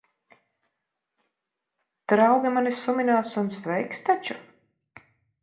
Draugi mani suminās un sveiks taču.